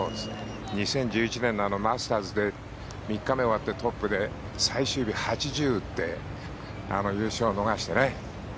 ２０１１年のマスターズで３日目終わってトップで最終日、８０を打って優勝を逃してね。